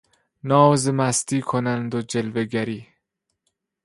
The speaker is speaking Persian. نازمستی کنند و جلوهگری